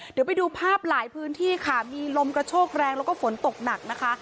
เดี๋ยวไปดูภาพหลายพื้นที่ค่ะมีลมกระโชกแรงแล้วก็ฝนตกหนักนะคะ